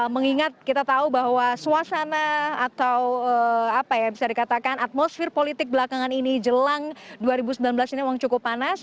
mengingat kita tahu bahwa suasana atau apa ya bisa dikatakan atmosfer politik belakangan ini jelang dua ribu sembilan belas ini memang cukup panas